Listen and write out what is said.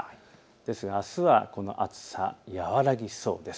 ですが、あすはこの暑さ和らぎそうです。